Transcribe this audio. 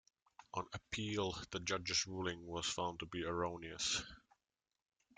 On appeal the judge's ruling was found to be erroneous.